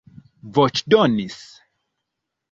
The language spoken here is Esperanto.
voĉdonis